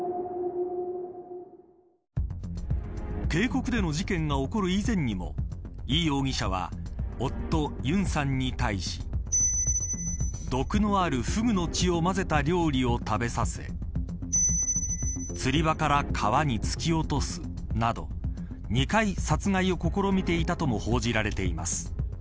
渓谷での事件が起こる以前にもイ容疑者は夫ユンさんに対し毒のあるフグの血を混ぜた料理を食べさせ釣り場から川に突き落とすなど２回殺害を試みていたとも報じられています。